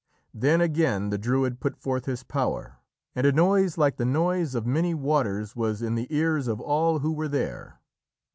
Then again the Druid put forth his power, and a noise like the noise of many waters was in the ears of all who were there.